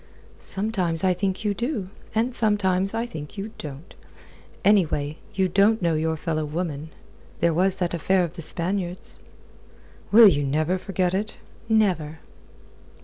"Sometimes I think you do, and sometimes I think you don't. Anyway, you don't know your fellow woman. There was that affair of the Spaniards." "Will ye never forget it?" "Never."